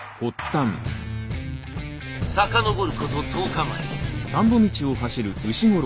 遡ること１０日前。